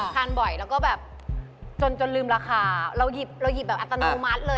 ทานบ่อยแล้วก็แบบจนจนลืมราคาเราหยิบเราหยิบแบบอัตโนมัติเลย